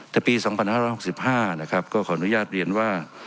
แต่ปีสองพันห้าร้อยหกสิบห้านะครับก็ขออนุญาตเรียนว่า